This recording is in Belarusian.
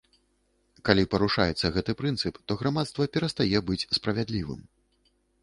Калі парушаецца гэты прынцып, то грамадства перастае быць справядлівым.